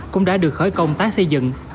cũng đã được khởi công tác xây dựng